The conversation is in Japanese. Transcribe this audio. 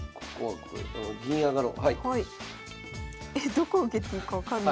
どこ受けていいか分かんない。